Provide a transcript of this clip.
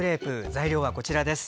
材料はこちらです。